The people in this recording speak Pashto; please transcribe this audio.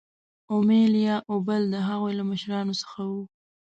اومیل یا اوبل د هغوی له مشرانو څخه وو.